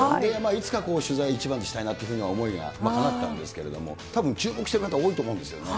いつか取材をイチバンでしたいなという思いがあったんですけども、たぶん注目してる人、多いと思うんですよね。